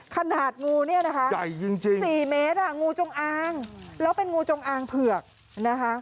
ขนาดงูนี่นะครับ๔เมตรงูจงอางแล้วเป็นงูจงอางเผือกนะครับ